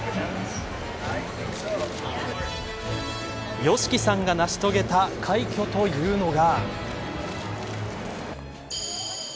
ＹＯＳＨＩＫＩさんが成し遂げた快挙というのが。